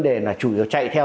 đã cùng chia sẻ